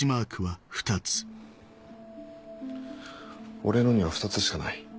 俺のには２つしかない。